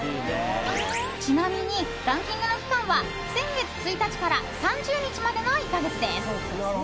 ちなみにランキングの期間は先月１日から３０日までの１か月です。